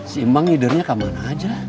si mang hidernya kemana aja